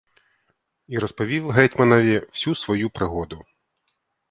І розповів гетьманові всю свою пригоду.